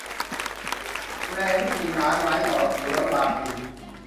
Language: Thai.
แลลูกลิงลางไหล้ ลอดเลี้ยวลางลิง